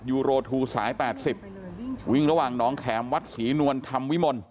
ยูโรทูสาย๘๐วิ่งระหว่างน้องแขมวัดศรีนวลธรรมวิมล